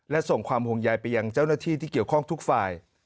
และส่งความห่วงใยไปยังเจ้าหน้าที่ที่เกี่ยวข้องทุกฝ่าย